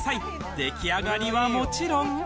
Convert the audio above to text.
出来上がりはもちろん。